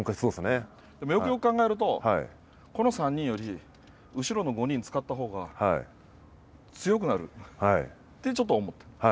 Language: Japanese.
でも、よくよく考えると、この３人より後ろの５人使ったほうが強くなるってちょっと思った。